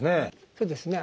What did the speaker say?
そうですね。